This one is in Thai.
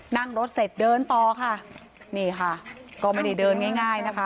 นั่งรถเสร็จเดินต่อค่ะนี่ค่ะก็ไม่ได้เดินง่ายง่ายนะคะ